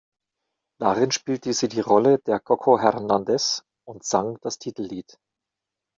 Darin spielte sie die Rolle der Coco Hernandez und sang das Titellied.